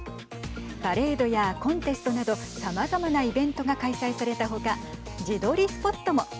パレードやコンテストなどさまざまなイベントが開催された他自撮りスポットも。